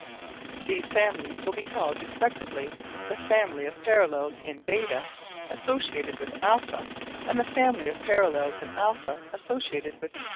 These families will be called respectively the family of parallels in β associated with α, and the family of parallels in α associated with β.